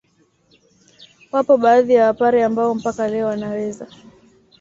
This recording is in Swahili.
Wapo baadhi ya Wapare ambao mpaka leo wanaweza